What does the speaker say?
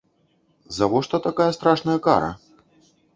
Завошта такая страшная кара?